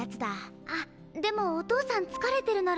あでもお父さん疲れてるなら。